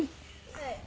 はい。